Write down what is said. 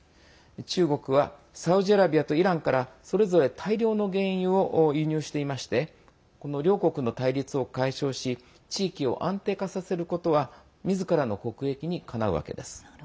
中国はサウジアラビアとイランからそれぞれ大量の原油を輸入していましてこの両国の対立を解消し地域を安定化させることはみずからの国益にかなうわけです。